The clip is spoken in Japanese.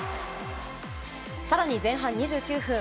更に前半２９分。